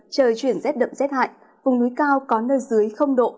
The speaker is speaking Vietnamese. trời chuyển rét đậm rét hại vùng núi cao có nơi dưới độ